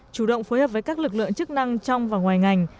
chủ động phối hợp với các lực lượng chức năng trong và ngoài ngành